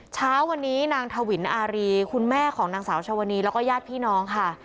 เช้าวันนี้นางถวินอารีคุณแม่ของนางสาวชวนีแล้วก็ญาติพี่น้องค่ะ